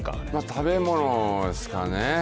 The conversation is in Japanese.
食べ物ですかね。